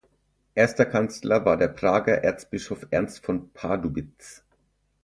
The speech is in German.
Erster Kanzler war der Prager Erzbischof Ernst von Pardubitz.